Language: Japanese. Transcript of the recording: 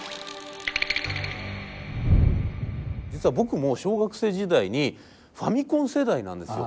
実は僕も小学生時代にファミコン世代なんですよ。